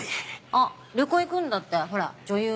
あっ旅行行くんだってほら女優の。